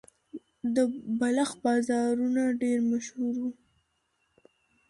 د بلخ بازارونه ډیر مشهور وو